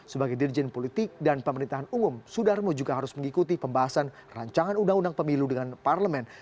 sebagai dirjen politik dan pemerintahan umum sudarmo juga harus mengikuti pembahasan rancangan undang undang pemilu dengan parlemen